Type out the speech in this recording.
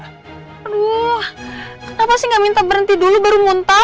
aduh kenapa sih nggak minta berhenti dulu baru muntah